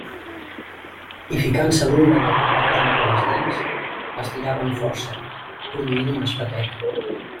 I ficant-se l'ungla del dit gros entre les dents, estirava amb força, produint un espetec.